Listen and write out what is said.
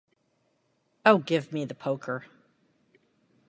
Oh, give me the poker!